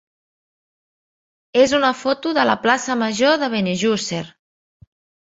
és una foto de la plaça major de Benejússer.